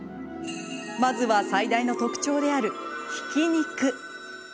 まずは最大の特徴である、ひき肉。